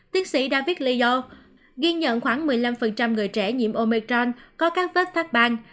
tiến sĩ david leo ghi nhận khoảng một mươi năm người trẻ nhiễm omicron có các vết phát bang